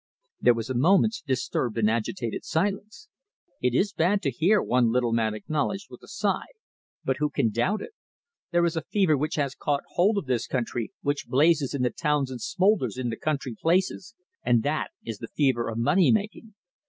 There was a moment's disturbed and agitated silence. "It is bad to hear," one little man acknowledged, with a sigh, "but who can doubt it? There is a fever which has caught hold of this country, which blazes in the towns and smoulders in the country places, and that is the fever of money making.